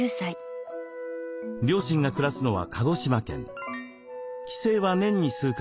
両親が暮らすのは鹿児島県。